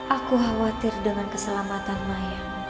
aku khawatir dengan keselamatan maya